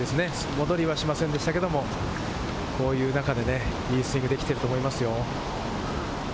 戻りはしませんでしたけれども、こういう中でね、いいスイングができてると思いますよ。